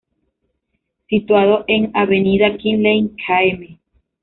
Situado en Avenida Finlay Km.